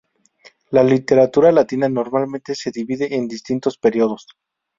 La literatura latina normalmente se divide en distintos períodos.